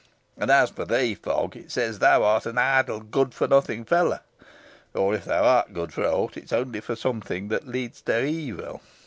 And as for thee, Fogg, it says thou art an idle, good for nothing fellow; or, if thou art good for aught, it is only for something that leads to evil.